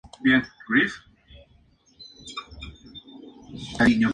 Premio protagonista de Onda Cero a la mejor trayectoria científica.